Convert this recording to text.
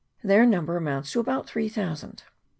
Their number amounts to about three thousand.